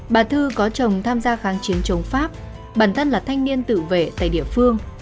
bà thư có chồng tham gia kháng chiến chống pháp bản thân là thanh niên tự vệ tại địa phương